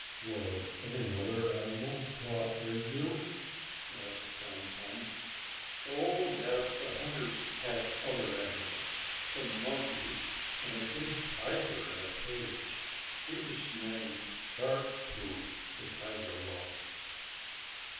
"Were any other animals caught with you?" asked Tum Tum. "Oh, yes, the hunters had other animals some monkeys, and a big tiger in a cage. He was named Sharp Tooth, the tiger was."